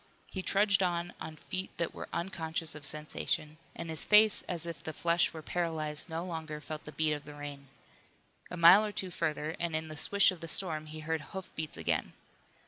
He trudged on on feet that were unconscious of sensation, and his face as if the flesh were paralyzed no longer felt the beat of the rain. A mile or two further and in the swish of the storm he heard hoofbeats again.